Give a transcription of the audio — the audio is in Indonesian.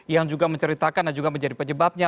yang juga menceritakan dan juga menjadi penyebabnya